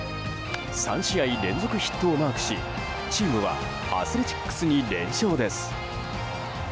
３試合連続ヒットをマークしチームはアスレチックスに連勝です。